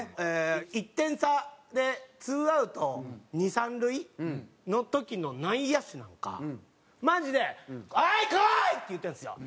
１点差でツーアウト二三塁の時の内野手なんかマジで「おい！こい！」って言うてるんですよ。